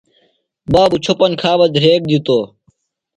بابُوۡ چھوۡپن کھا بہ دھریک دِتوۡ